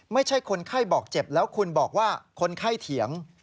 ไม่ใช่คนไข้บอกเจ็บแล้วคุณบอกว่าคนไข้เถียง